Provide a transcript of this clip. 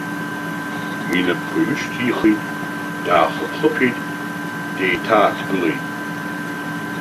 Инапқәа ҩышьҭихит, даахыԥхыԥит, деиҭааҭгылеит.